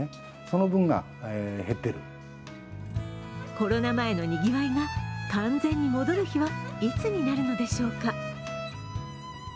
コロナ前のにぎわいが、完全に戻る日はいつになるのでしょうか？